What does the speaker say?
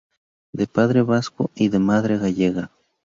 De padre vasco y de madre gallega.